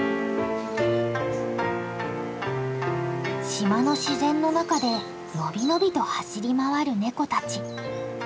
島の自然の中で伸び伸びと走り回るネコたち。